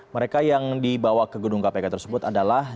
mereka yang dibawa ke gedung kpk tersebut adalah